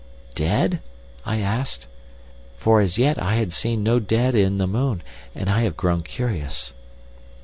"'Dead?' I asked. (For as yet I have seen no dead in the moon, and I have grown curious.)